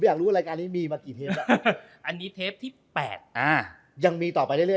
ผมอยากรู้ว่ารายการนี้มีมากี่เทปอ่าอันนี้เทปที่แปดอ่ายังมีต่อไปเรื่อย